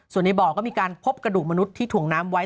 ส่วนในบ่อก็มีการพบกระดูกมนุษย์ที่ถ่วงน้ำไว้